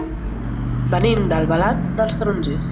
Venim d'Albalat dels Tarongers.